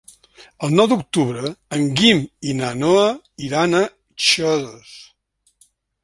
El nou d'octubre en Guim i na Noa iran a Xodos.